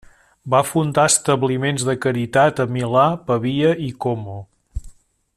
Va fundar establiments de caritat a Milà, Pavia i Como.